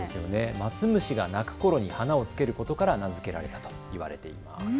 松虫が鳴くころに花をつけることから名付けられたといわれています。